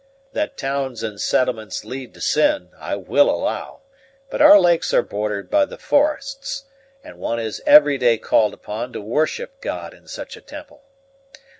"That towns and settlements lead to sin, I will allow; but our lakes are bordered by the forests, and one is every day called upon to worship God in such a temple.